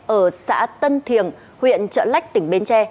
ở xã tân thiềng huyện trợ lách tỉnh bến tre